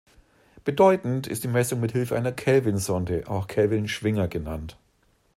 Bedeutend ist die Messung mit Hilfe einer Kelvin-Sonde, auch Kelvin-Schwinger genannt.